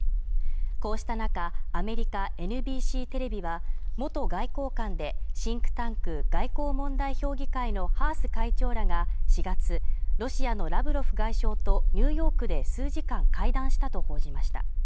こうした中、アメリカＮＢＣテレビは元外交官で、シンクタンク外交問題評議会のハース会長らが４月ロシアのラブロフ外相とニューヨークで数時間会談したと報じました。